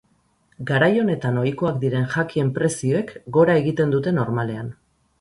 Garai honetan ohikoak diren jakien prezioek gora egiten dute normalean.